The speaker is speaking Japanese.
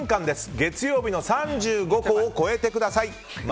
月曜日の３５個を超えてください。